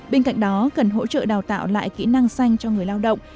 bên cạnh đó cần hỗ trợ đào tạo lại kỹ năng xanh cho người lao động